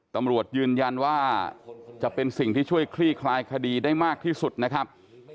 ตำรวจยืนยันว่าจะเป็นสิ่งที่ช่วยคลี่คลายคดีได้มากที่สุดนะครับ